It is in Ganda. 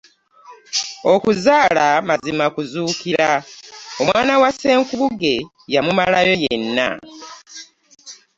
Okuzaala mazima kuzuukira, omwana wa Ssenkubuge yamumalayo yenna!